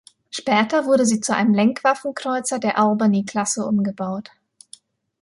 Später wurde sie zu einem Lenkwaffenkreuzer der "Albany-Klasse" umgebaut.